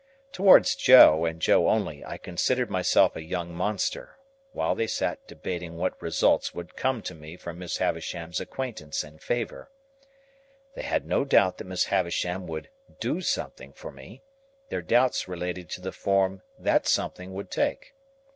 Towards Joe, and Joe only, I considered myself a young monster, while they sat debating what results would come to me from Miss Havisham's acquaintance and favour. They had no doubt that Miss Havisham would "do something" for me; their doubts related to the form that something would take.